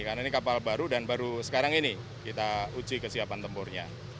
karena ini kapal baru dan baru sekarang ini kita uji kesiapan tempurnya